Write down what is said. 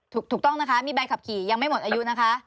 ถูกต้องนะคะมีใบขับขี่ยังไม่หมดอายุนะคะ